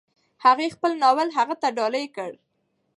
هغې خپل بل ناول هغه ته ډالۍ کړ.